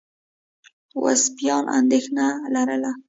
وسپاسیان اندېښنه لرله.